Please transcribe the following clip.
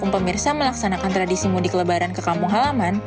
pemirsa setianya telah menjadikan kompas tv sebagai teman ramadhan